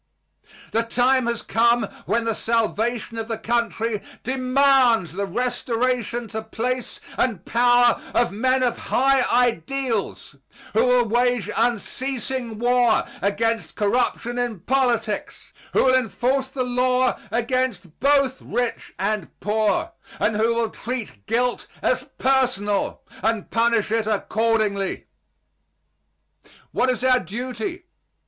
The time has come when the salvation of the country demands the restoration to place and power of men of high ideals who will wage unceasing war against corruption in politics, who will enforce the law against both rich and poor, and who will treat guilt as personal and punish it accordingly. What is our duty?